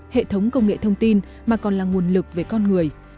hệ thống công nghệ thông tin mà còn là nguồn lực về con người